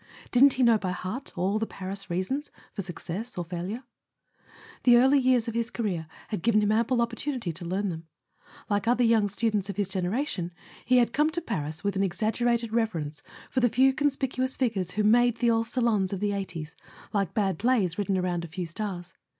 Didn't he know by heart all the Paris reasons for success or failure ? The early years of his career had given him ample opportunity to learn them. Like other young students of his generation, he had come to Paris with an exag¬ gerated reverence for the few conspicuous figures who made the old Salons of the 'eighties like bad plays written around a few stars.